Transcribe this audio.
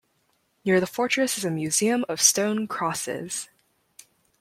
Near the fortress is a museum of stone crosses.